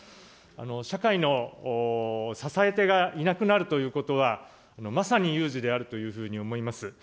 社会の支え手がいなくなるということは、まさに有事であるというふうに思います。